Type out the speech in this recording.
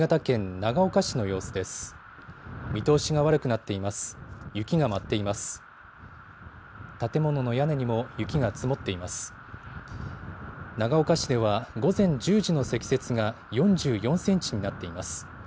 長岡市では、午前１０時の積雪が４４センチになっています。